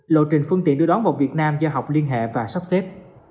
lộ trình phương tiện đưa đón vào việt nam do học liên hệ và sắp xếp